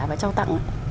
và trao tặng